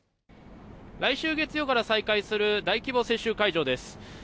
来週月曜から再開する大規模接種会場です。